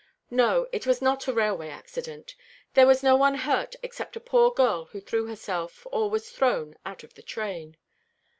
"No, it was not a railway accident. There is no one hurt except a poor girl who threw herself, or was thrown, out of the train."